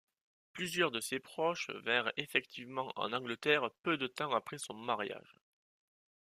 Plusieurs de ses proches vinrent effectivement en Angleterre peu de temps après son mariage.